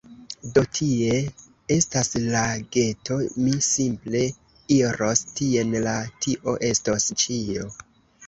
Do, tie estas lageto; mi simple iros tien kaj tio estos ĉio